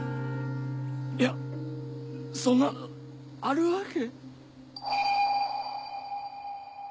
いやそんなあるわけ。